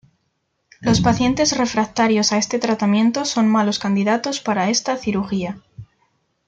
Los pacientes refractarios a este tratamiento son malos candidatos para esta cirugía.